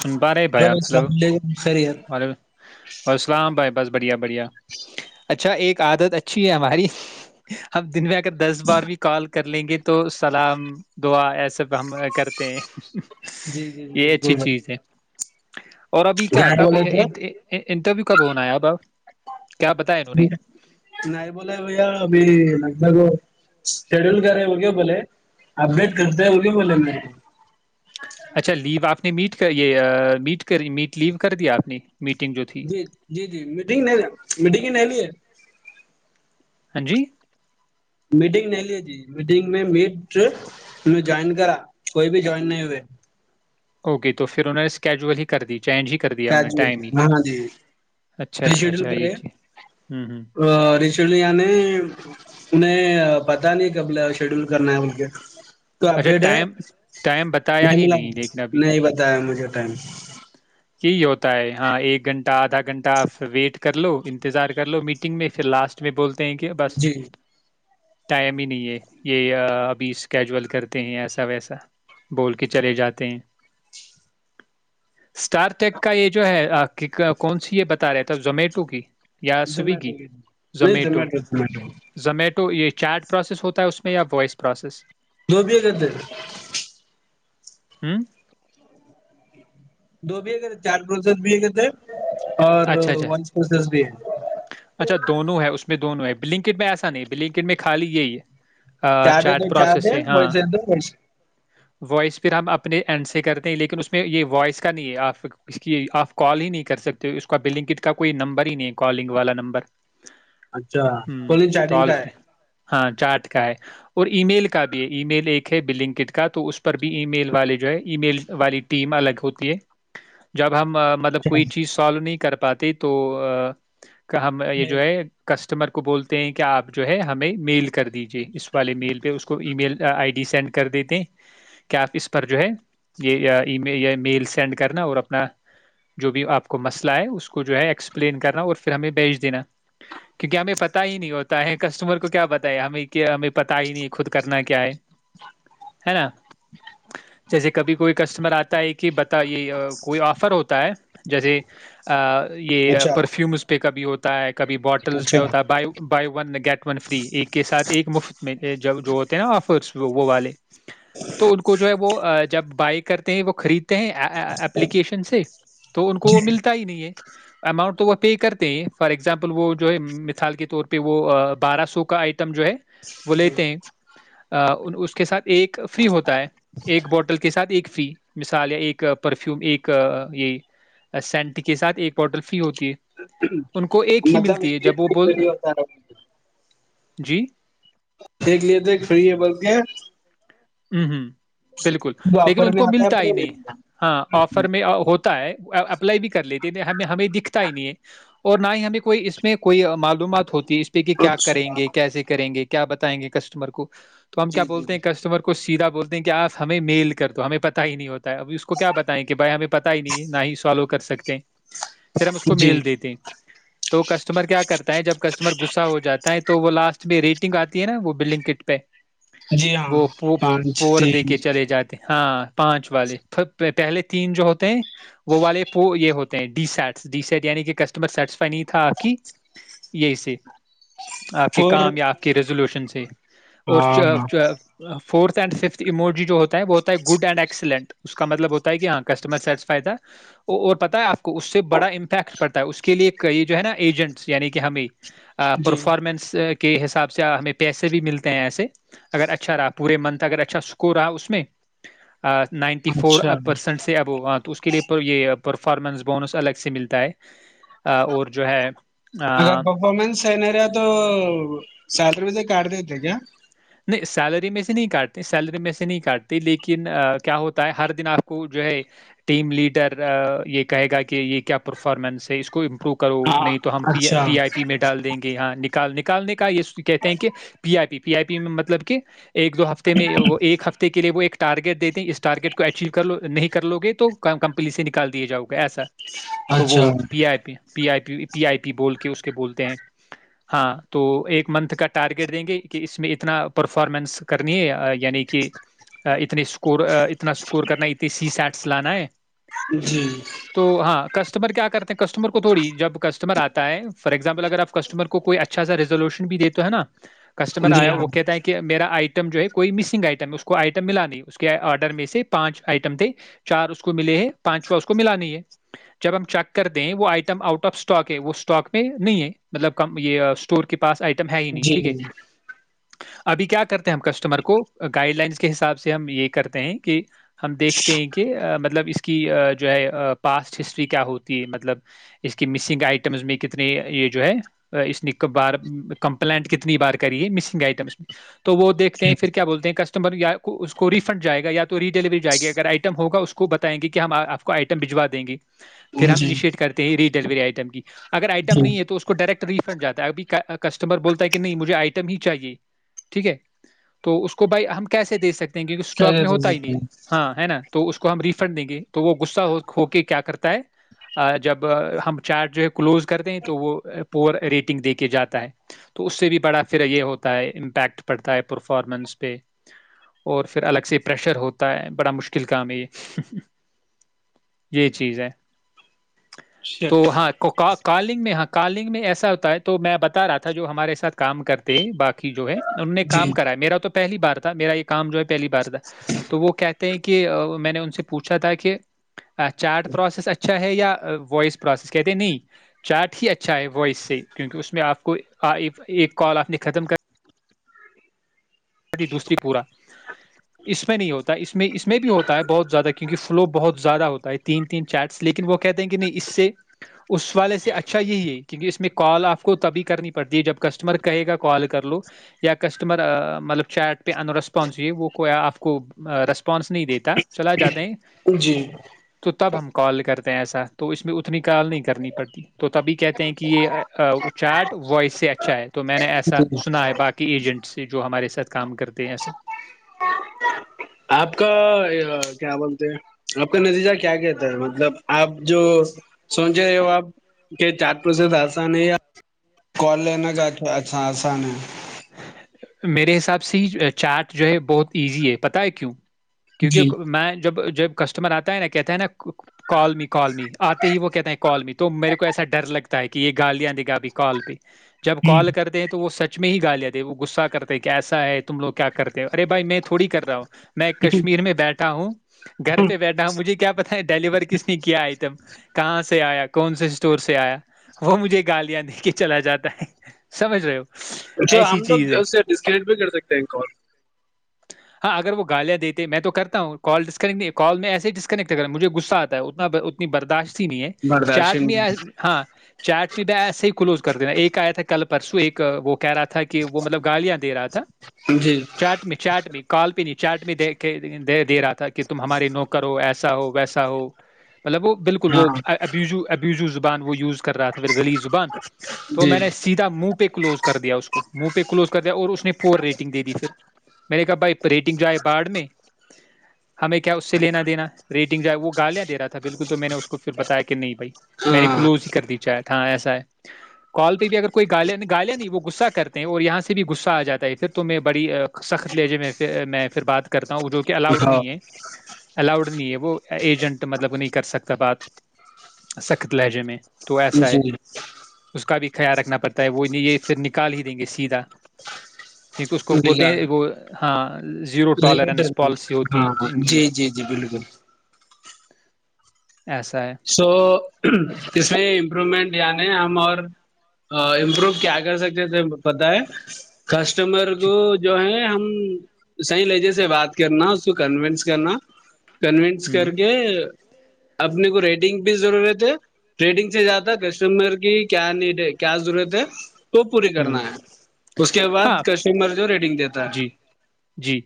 سن پا رہے ہیں بھائی اپ ہیلو السلام علیکم خیریت وعل السلام بھائی بس بڑیا بڑھیا [inaudible] اچھا ایک عادت اچھی ہے ہماری ہم دن میں دس بار بھی کال کر لیں گے تو سلام دعا ای سب ہم کرتے ہیں جی جی جی یہ اچھی بالکل چیز بھائی ہے [inaudible] ٹھیک ہے [inaudible] اور ابھی کیا یہاں کب بولے تھے انٹرویو کب ہونایا ا باب ن بول ہو ابھی [inaudible] لگ شیڈیول کرے وہگ بولے اپڈیٹ کرتے ہیں وہگ بولے میں اچھا لیو آپ کے نے میٹ کا یہ میٹ میٹ لیو کر دیا آپ نے میٹنگ جو تھی جی ج جی جی میٹنگ نہیں میٹنگ ہی نہیں لی ہے [inaudible] ہاں جی میٹنگ نہیں لی تھی میٹنگ میں میٹ جوائن کرا کوئی بھی جوائن نہیں ہوئے اوکے تو پھر انوں نے اسکیجول ہی کر دی چینج ہی کر دیا انہوں نے جل ٹائم ہی ہ ہاں جی اچھا اچھا رشیڈل اچھا یہ کرے چیز ہوں ہوں رشیڈل یعنی انیں پتا نہیں کب شیڈیول کرنا ہے بول کے تو اچھا اپڈیٹ ہے ٹائم ٹائم بتایا نہیں ہی ملا لیکن ابھی نہیں بتایا مجھے ٹائم یہی ہوتا ہے ہاں ایک گھنٹہ آدھا گھنٹا پ ویٹ کر لو انتظار کر لو میٹنگ میں پھر لاسٹ میں بولتا [unintelligible] تھینک یو بس جی [inaudible] ٹائم ہی نہیں ہے یہ ابھی اس کیجول [unintelligible] کرتے ہیں ایسا ویسا بول کے چلے جاتے ہیں [inaudible] اسٹار ٹیک کا یہ جو ہے [unintelligible] کون سی یہ بتا رہے تھا زومیٹو کی [inaudible] زمیٹو سویگی نہیں زومیٹو زمیٹو [unintelligible] تو یہ چیٹ پروسیس ہوتا ہے اس میں یا وائس پروسیس [unintelligible] دوبیا کرتے [unintelligible] ہوں [inaudible] بھی تھے چار پروسز بھی کہ تھے [unintelligible] اچھا اچھا اچھا دونوں ہے اس میں دونوں ہے [unintelligible] بلنکٹ میں ایسا نہیں بلنکٹ میں خالی یہی ہے [unintelligible] چاہتے تو چیٹ پروسیس چارتے سے ہاں وس تو وس وائس پھر ہم اپنے اینڈ سے کرتے ہیں لیکن اس میں یہ وائس کا نہیں ہے آپ اس کی آپ کال ہی نہیں کر سکتے اس کا بلنک کا کوئی نمبر ہی نہیں ہے کالنگ والا نمبر [unintelligible] اچھا کو چیٹنگ کا ہے چارٹ کا ہے اور ای میل کا بھی ہے ای میل ایک ہے بنکڈ کا تو اس پر بھی ای میل والے جو ہے ای میل والی ٹیم الگ ہوتی ہے جب [unintelligible] ہم ملب اچھا کوئی چیز سو نہیں [unintelligible] کر پاتے تو [unintelligible] کا ہم یہ جو میل، ہے کس [unintelligible] کسٹمر کو بولتے ہیں کہ آپ جو ہے ہمیں میل [unintelligible] کر دیجیے اس والے میل پہ اس کو email I D send کر [unintelligible] کر دیتے کیا آپ اس پر جو ہے یہ ای یا میل سینڈ کرنا اور اپنا جو بھی آپ کو مسئ [unintelligible] اس کو جو ہے ایکسپلین کرنا اور پھر ہمیں بیچ دینا کیونکہ ہمیں پت ہی نہیں ہوتا ہے کسٹمر کو کیا پتا ہے ہمیں ہمیں پتا ہی نہیں ہے خود کرنا کیا ہے [unintelligible] ہے نا [unintelligible] جیسے کبھی کوئی کسٹمر آتا ہے کہ ب یہ کوئی آفر ہوتا ہے جیسے [unintelligible] یہ اچھا پرفیومز پہ کبھی ہوتا ت ایک [unintelligible] کبھی بوٹل اچھا پہ ہوتا buy one get one free ایک کے ساتھ ایک مفت میں ہوتے ہیں نا آفرس وہ والے تو ان کو جو ہے وہ [unintelligible] جب بائی کرتے ہیں وہ خریدتے [unintelligible] ہیں ایپلیکیشن سے تو ان کو جی وہ ملتا [unintelligible] اماؤنٹ تو وہ پے کرتے ہیں فور ایگزامپل وہ جو ہے مثال کے طور پہ وہ بارہ سو کا آئٹم جو ہے وہ جی لیتے ہیں اس کے ساتھ ایک فری ہوتا ہے ایک بوٹل کے ساتھ ایک ف مثال ایک پرفیوم ایک یہ سینٹ کے سھ ایک باٹل فی ہوتی ہے ان کو ایک ہی مطلب ملتی ہے جب وہ بول ایکی ہوتا رہا جی دیکھ لیے تھ فری ہے بولک ہوں ہوں بالکل جو لیکن آفر ان میں کو آتا ہے ملتا پھر ہی وہ نہیں ہاں ملتا آفر میں ہوتا ہے اپلائی بھی کر لیتے ہمیں ہمیں دکھتا ہی نہیں ہے اور نہ ہی ہمیں کوئی اس میں کوئی معلومات ہوتی اس پہ کہ کیا کریں اچھا گے کیسے کریں گے کیا بتائیں گے کسٹمر کو تو ہم کیا جی جی بولتے ہیں جی کسٹمر کو کو سیدھا بولتے ہیں کہ آپ ہمیں میل کر دو ہمیں پت ہی نہیں ہوتا ہے اب اس کو کیا بتائیں کہ بھائی ہمیں پتا ہی نہیں ہے نہ ہی سالو کر سکتے ہیں پھر ہم اس کو جی میل دیتے تو کسٹمر کیا کرتا ہے جب کسٹمر گغصا ہو جاتا ہے تو وہ لاسٹ میں ریٹ نگ آتی ہے نا وہ بلڈنگ کٹ پہ جی ہاں وہ [unintelligible] پو پور دے تین کے چلے جاتے ہیں ہاں پانچ والے پ پہلے تین جو ہوتے ہیں وہ والے پو یہ ہوتا ڈی سیٹس ڈی سیٹ یعنی کہ کسٹمر سیٹسفائی نہیں تھا آپ کی یہی سے آپ کے فور کام یا آپ کی ریزولوشن جی [unintelligible] اور ہاں ہاں چ فورت اینڈ ففتھموجی جو بہت ہے گڈ اڈ ایکسلینٹ اس کا مطلب ہوتا ہے کہ ہاں کسٹمر سیٹسفائی تھا اور پتا ہے آپ کو اس سے بڑا امپیکٹ پڑتا ہے اس کے لیے ایک یہ جو ہے نا ایجنٹس یعنی کہ ہمیں جی پرفارمنس کے حساب سے ہمیں پیسے بھی ملتے ہیں ایسے اگر اچھا راپ پورے من تھا اگر اچھا سکور رہا اس میں نائنٹی فور اچھا پرسینٹ سے ابو ہاں تو اس کے لیے یہ پرفارمنس بونس الگ سے ملتا ہے اور جو ہے [unintelligible] اگر پرفارمنس ہے نہیں رہیا تو سات روپئے تو کارڈ دیے کیا [unintelligible] نہیں سیلری میں سے نہیں کاٹتے سیلری میں سے نہیں کاٹتے لیکن کیا ہوتا ہے ہر دن آپ کو جو ہے ٹیم لیڈر یہ کہے گا کہ یہ کیا پرفارمنس ہے اس کو امپروو کرو [unintelligible] ہاں نہیں تو ہم اچھا پی آئی پی میں ڈال دیں گے یہاں [unintelligible] ال نکالنے کا یہ کہتے ہیں کہ پی آئی پی پی آئی پی [unintelligible] مطلب کہ ایک دو ہفتے میں ایک ہفتے کے لیے وہ ایک ٹارگیٹ دیتے اس ارگیٹ کو اچو کر نہیں کر لو گے تو کمپنی سے نکال دیا جاؤ گا ایسا [unintelligible] تو وہ اچھا پی آئی پی پی آئی پی پی آئی پی بول کے اس کے بولتے ہیں ہاں تو ایک منتھ کا ٹارگیٹ دیں گے کہ اس میں اتنا [unintelligible] اتنا پرفارمنس کرنی ہے یعنی کہ اتنے اسکور اتنا اسکور کرنا ہے اتنی سی سیٹس لانا ہے [unintelligible] جی [unintelligible] تو ہاں، کسٹمر کیا کرتے ہیں کسٹمر کو تھوڑی جب کسٹمر آتا ہے فارور ایگزامپل اگر آپ کسٹمر کوئی اچھا سا ریزولوشن بھی دیتے ہے نا تو جی ہاں [unintelligible] میرا آئٹم جو ہے کوئی مسنگ آئٹم ہے اس کو آٹم آڈر میں سے پانچ آٹم تھے چار مے پانچو کو م ہے جب ہم چیک کرتے وہ آٹم آؤٹ آف اسٹاک ہے وہ اسٹاک میں نہیں مطلبٹور کے پاس آ [unintelligible] ہے ہی نہیں جی ٹھیک ہے [unintelligible] ابھی کیا کرتے ہیں ہم کسٹمر کو گائڈ لائنس کے حساب سے ہم یہ کرتے ہیں کہ ہم دیکھتے ہیں کہ مطلب اس کی جو ہے پاسٹ ہسٹری کیا ہوتی ہے مطلب اس کی مسنگ آئٹمز میں کتنے یہ جو ہے اس نے بار کمپلینٹ کتنی بار کری ہے مسنگ گئٹمس میں [unintelligible] تو وہ دیکتے ہیں جی پھر کیا بولتے ہیں ک اسسٹمر یا اس کو ریفنڈ جائے گا یا تو ری ڈلیوری جائے گی اگر آئٹم ہوگ اس کو بتائیں گے کہ ہم آپ کو آئٹم بھجوا دیں گے پھر ہم جی اننیشیٹ کرتے ہیں ری ڈیلیوری آئٹم کی [unintelligible] اگر آئٹم جی نہیں ہے تو اس کو ڈائریکٹ ریفنڈ جاتا ہےبھی کسٹمر بولتا ہے کہ نہیں مجھے آئٹم ہی چاہیے ٹھیک ہے تو اس کو بھائی ہم کیسے دے سکتے کیونکہ اسٹاک میں خیریت ہو ہوتا ہی سکتی نہیں ہاں ہے نا تو اس کو ہم ریفنڈ دیں گے تو وہ گہ ہو کے کیا کرتا ہے جب ہم چارٹ جو ہے کلوز کرتے ہیں تو وہ پور ریٹنگ دے کے جاتا ہے تو اس سے بھی بڑا فھرر یہ ہوتا تا ہے امپیکٹ پڑتا ہے پرفارمنس پہ اور پھر الگ سے پریشر ہوتا ہے بڑا مشکل کام یہ یہ چیز ہے تو شٹ ہاں کوکک [unintelligible] کالنگ میں ہاں کالنگ میں ایسا ہوتا ہے تو میں بتا رہا تھا جو ہمارے ساتھ کام کرتے ہیں باقی کی جو ہے [unintelligible] ان نے جی کام کرایا میرا تو پلی بار تھا میرا یہ کام جو ہے پہلی بار تھا تو وہ کیا [unintelligible] کہ میں نے ان سے پوچھا تھا کہ چارٹ پروسیس اچھا ہے یا وائس پروسیس کہتے نہیں چارٹ ہی اچھا ہے وائس سے کیکہ اس میں آپ کو ایک کال آپ نے ختم کر دوسری پورا اس میں نہیں ہوتا اس میں اس میں بھی ہوتا ہے بہت زیادہ کیونکہ فلو بہت زیادہ ہوتا ہے تین تین چیٹس لیکن وہ کہتے ہیں کہ نہیں اس سے اس والے سے اچھا یہی ہے کیونکہ اس میں کال آپ کو تبھی کرنی پڑتی ہے جب کسٹمر کہے گا کال کر لو یا کسٹمر مطلب چیٹ پہ ان رسپانس ہو ہے وہ کو آپ کو رسپانس نہیں دیتا چلا جاتا ہے جی تو تب ہم کال کرتے ہیں ایسا تو اس میں اتنی کال نہیں کرنی پڑتی تو تبھی کہتے ہیں کہ یہ چاٹ وائس سے اچھا ہے تو میں نے ایسا جی سنا ہے باقی ایجنٹ سے جو ہمارے ساتھ کام کرتے ایا آپ کا کیا بولتے ہیں آپ کا نتیجہ کیا کہتا ہے مطلب آپ جو سوچے وہ آپ کے چار پروسس آسان ہے یا کال لین کا اچھا [unintelligible] میرے حساب سے ہی چارٹ جو ہے بہت ایزی ہے پت ہے کیوں جی کیونکہ میں جب جب کسٹمر آتا ہے نا کہتا ہے نا کال م کال م آتے ہی وہ کہتا ہیں کال میں تو میرے کو ایسا ڈر لگتا ہے کہ یہ گالیاں دے گا بھیھی کال پہ جب کال ہ کرتے ہیں تو وہ سچ میں ہی گالیا تھے وہ غصہ کرتے کہ کیسا ہے تم لوگ کیا کرتے ہیں اےھائی میں تھوڑی کر رہا ہوں میں کشمیر میں بیٹھا ہوں گھر پہ بیٹھا ہوں مجھے کیا پتا ہے ڈیلیور کس نے کیا آئٹم کہاں سے آیا کون سے اسٹور سے آیا وہ مجھے گالیاں دے کے چلا جاتا ہے سمجھ رہے ہو اچھا ایسی ہم لوگ چیز ہے اس ڈسکٹ بھی کر سکتے ہیں کال ہاں اگر وہ گالیاں دیتے میں تو کرتا ہوں کال ڈسکنیکٹ نہیں کال میں ایسے ڈسکنکٹ کراوں مجھے غص آتا ہے اتنا اتنی برداشت ہی نہیں ہے برداشت چارٹ میں ہاں چارٹ میں ب ایسے ہی کلوز کر دینا ایک آیا تھا کلب پرسو ایک وہ کہہ رہا تھا تھا کہ وہ مطلب گالیاں دے رہا تھا جی چارٹ میں چارٹ میں کال پ نہیں چارٹ میں د دے رہا تھا کہ تم ہماری نوکر ہو ایسا ایسا ہو ویسا ہو مطلب وہ بالکل ہاں وہبوبو بان وہ وز کر رہا تھا پھر گلی زبان تو جی میں نے سیدھا منہ پہ کلوز کر دیا اس کو منہ پہ کلوز کر دیا اور اس نے پور ریٹنگ دے دی پھر میںیر نے کہا بھائی ریٹنگ جائے باڈھ میں ہمیں کیا اس سے لینا دینا ریٹنگ جو ہے وہ گالیا دے رہا تھا بالکل تو میں نے اس کو پھر بتایا کہ نہیں بھائی میں نے ہاں کلوز ہی کر دی چا ہاں ایسا ہے کال پہ بھی اگر کوئی گالیا گالیا نہیں وہ گغصہ کیا کرتے ہیں اور یہاں سے بھی غصہ آ جاتا ہے پھر تو میں بڑی سخت لیہجے میں میں پھر بات کرتا جو کہ الاؤڈ ہاں نہیں ہے الاؤڈ نہیں ہے وہ ایجنٹ مطلب نہیں کر سکتا بات سخت لہجے میں تو ایسا جی ہے [inaudible] اس کا بھی خیال رکھنا پڑتا ہے وہ یہ پھر نک نکال ہی دیں گے سیدھا ایک اس کو بولتے ہیں ایک ہاں زیرو ٹالرنس پالیسی ہوتی ہے ہاں ان ہاں ان کی جی جی جی بالکل ایسا ہے [unintelligible] اس میں امپروومنٹ یعنی ہم اور امپرو کیا کر سکتے ت پتا ہے کسٹمر جی کو جو ہے ہم صیح لہجے سے بات کرنا اس کو کنوینس کرنا کنوینس کر ہوں کے اپنے کو ریٹ بھی ضرورت ہے ٹریڈنگ سے جیادہ کسٹمر کی کیا نیڈ ہے کیا ضرورت ہے وہ پوری ہوں کرنا ہے اس کے بعد ہاں کسٹمر جو ریٹنگ دیتا جی ہے جی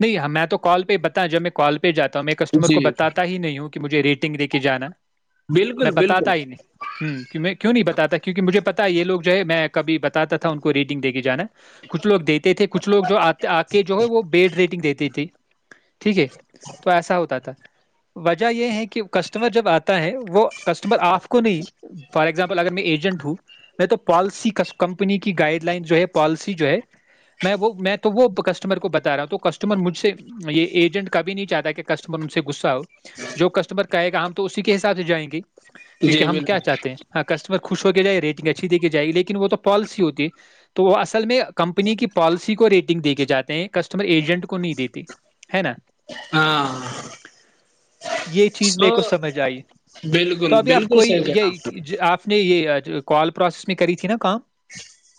نہیں میں تو کال پہ ہی بتا جب میں کال پہ جاتا میں کسٹمر کو جی بتا ہی نہیں ہوں کہ مجھے ریٹنگ دے کے جانا بالکل بالکل وں نہیں بتا کیکہ مجھے پتا ہے یہ لو جو ہے میں کبھی بتاتا تھا ان کو ریڈنگ دے کے جانا کچھ لگ دیتے تھے کچھ لو جو آتے آ کے جو ہے وہ بیڈ ریٹنگ دیتے تھے ٹھیک ہے تو ایسا ہوتا تھا وجہ یہ ہے کہ کسٹمر جب آتا ہے وہ کسٹمر آف کو نہیں فار ایگزامپل اگر میں ایجنٹ ہوں میں تو پالیسی کی س کمپنی کی گائڈ لائن جو ہے پالیسی جو ہے میں وہ میں تو وہ کسٹمر کو بتا رہا ہوں تو کسٹمر مجھ سے یہ ایجنٹ کاب بھی نہیں چاہتا کہ کسٹمر ان سے غصہ ہو جو کسٹمر کہے گا ہم تو اسی کے حساب سے جائیں گے کیونکہ جی ہم بالکل کیا چاہتے ہیں ہاں کسٹمر خوش کیا جائے ریٹگ اچھی دیھی جائےیک وہ تو پالیسی ہوتی ہے تو وہ اصل میں کمپنی کی پالیسی کو ریٹ دے کے جاتے ہیں کسٹمر ایجنٹ کو نہیں دیتی ہے نا ہاں یہ چیز میرے سو کو سمجھ آئی تو بالکل ابھی آپ بالکل کوئی صحیح کہنا آپ نے یہ آپ نے یہ ھ کال پروس میں کری ت نا [unintelligible]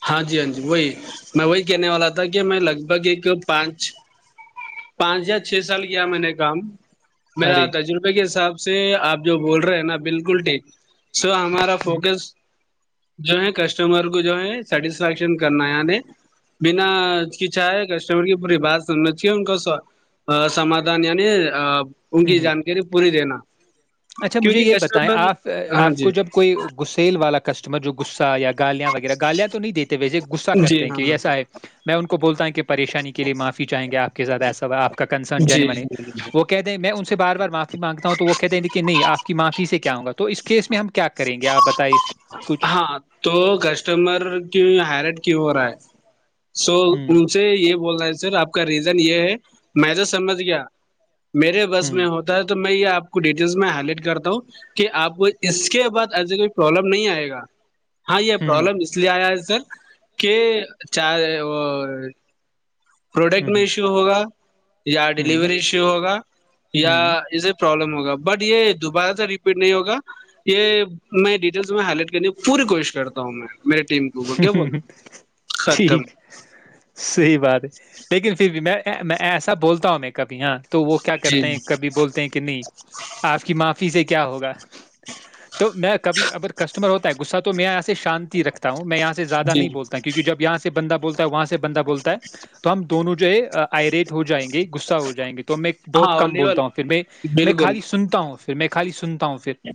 ہاں جی ہاں جی وہی میں وہی کہنے والا تھا کہ میں لگ بھگ ایک پانچ پانچ یا چھ سال کیا میں نے کام میرا آ ارے تج روپے کے حساب سے آپ جو بول رہے ہیں نا بالکل ٹھیک سو ہمارا ہ فوکس جو ہے کسٹمر کو جو ہے سیٹسفیکشن کرنا ہے یع بنا کی چ کی پوری بات سننےاہی ان سمھان عنی ہوں ہ اچھا مجھے کیونکہ یہ بتائیں کسٹمر آپ ہاں آپ کو جی جب کوئی گسیل والا کا کسٹمر جو گغصاہ یا الیاں وہ گالیاں تو نہیں دیتے گہ جی کرتے ہیں ہاں ایسا ہے میں ان کو بولتا ہ کہ پریشانی کے لیے معافی چاہیں گےپاپ کا کنسر جی جی وہ کہ ان سے بار بار معافی مانگتا ہوں تو وہ کہتےے کہ نہیں آپ کی معافی سے ہووںگا تو اس کیس میں ہم کیا کر کریں گے آپ بتائی ہاں تو کسٹمر کی ہائی رائٹ کیوں ہو رہا ہے سو ہوں ان سے یہ بول رہے ہے سر آپ کا ریزن یہ ہے میں تو سمجھ گیا میرے بس ہوں میں ہوتا ہے تو [unintelligible] میں یہ آپ کو ڈیٹیلس میں ہائی لائٹ کرتا ہوں کہ آپ کو اس کے بعد ایسے کوئی پرابلم نہیں آئے گا ا [inaudible] ہاں یہ ہوں پرابلم اس لیے آیا ہے [unintelligible] سر کہ چار وہ [unintelligible] پروڈکٹ میں ہوں ایشو ہوگا [unintelligible] یا ہوں ڈیلیوری ایشو ہوگا یا ہوں اسے پرابلم ہوگا [unintelligible] بٹ یہ دوبارہ سے ریپیٹ نہیں ہوگا یہ میں ڈیٹیلس میں ہائی لائٹ کرنے کی پوری کوشش کرتا ہوں میں میرے ٹیم کو بول کیا بول ختم ٹھیک صی بات [unintelligible] بات ہے لیکن پھر بھی میں [unintelligible] میں ایسا بولتا ہوں میں کبھی ہاں [unintelligible] وہ کیا جی کرتے ہیں کبھی بولتے ہیں کہ نہیں آپ کی معاںف پیس سے کیا ہوگا [unintelligible] تو میں کبھی اگر کسٹمر ہوتا ہے گغصہ تو میں ایسا [unintelligible] سے شانتی رکھتے [unintelligible] ہوں میں یہاں زیادہ جی جی نہیں بولتا کیکہ جب یہاں سے بندہ بولتا ہے وہاں سے بندہ بولتا ہے تو ہم دونوں جو آئریٹ ہو جائیں گے [unintelligible] گغصہ ہو جائیں گے تو میں بہت ہاں کم اولیول بولتا ہوں پھر میں میں بالکل خالی سنتا ہوں پھر میں خالی سنتا ہوں پھر